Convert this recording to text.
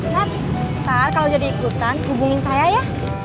nanti kalau jadi ikutan hubungin saya ya